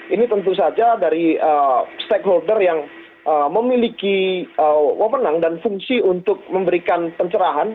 ini tentu saja dari stakeholder yang memiliki wawonan dan fungsi untuk memberikan pencerahan